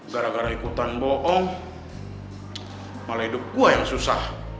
gara gara ikutan bohong malah hidup gua yang susah